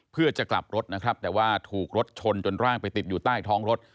เพื่อจะกลับรถนะครับแต่ว่าถูกรถชนจนร่างไปติดอยู่ใต้ท้องรถ